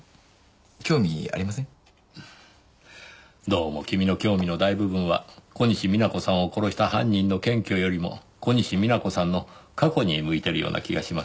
どうも君の興味の大部分は小西皆子さんを殺した犯人の検挙よりも小西皆子さんの過去に向いてるような気がしますがねぇ。